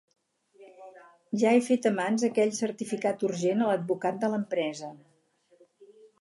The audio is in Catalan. Ja he fet a mans aquell certificat urgent a l'advocat de l'empresa.